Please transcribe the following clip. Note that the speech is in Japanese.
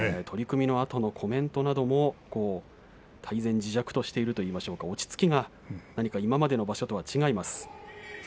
取組のあとのコメントなども泰然自若としているといいましょうか、落ち着きが何か今までの場所と違います。